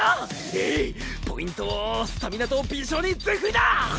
ええいポイントをスタミナと敏捷に全振りだ！